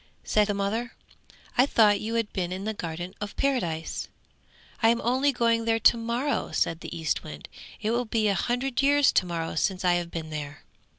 said the mother. 'I thought you had been in the Garden of Paradise.' 'I am only going there to morrow!' said the Eastwind. 'It will be a hundred years to morrow since I have been there.